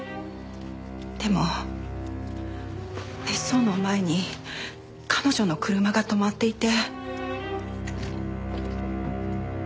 でも別荘の前に彼女の車が止まっていて。